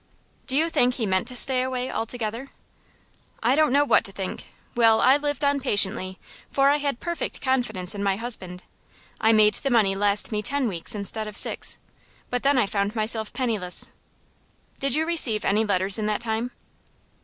"Do you think he meant to stay away altogether?" "I don't know what to think. Well, I lived on patiently, for I had perfect confidence in my husband. I made the money last me ten weeks instead of six, but then I found myself penniless." "Did you receive any letters in that time?"